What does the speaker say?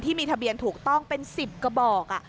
ที่มีทะเบียนถูกต้องเป็นสิบกบอก